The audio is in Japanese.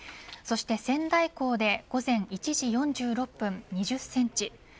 そして仙台港で午前１時４６分２０センチ。